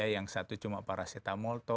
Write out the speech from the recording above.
yang satu cuma paracetamol